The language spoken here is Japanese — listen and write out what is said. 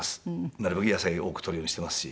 なるべく野菜を多く取るようにしてますし。